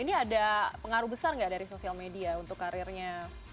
ini ada pengaruh besar nggak dari sosial media untuk karirnya